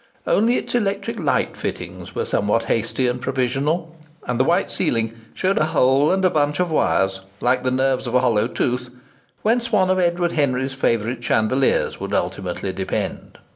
Only its electric light fittings were somewhat hasty and provisional, and the white ceiling showed a hole and a bunch of wires like the nerves of a hollow tooth whence one of Edward Henry's favourite chandeliers would ultimately depend.